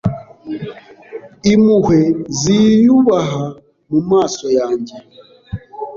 impuhwe ziyubaha mumaso yanjye